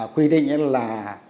quy định là